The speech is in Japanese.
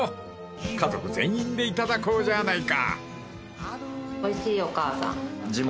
［家族全員でいただこうじゃないか］